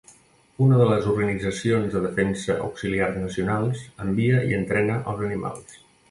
Una de les organitzacions de defensa auxiliars nacionals envia i entrena els animals.